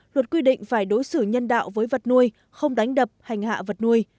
luật quy định phải đối xử nhân đạo với vật nuôi không đánh đập hành hạ vật nuôi